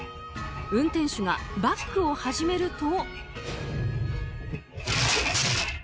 運転手がバックを始めると。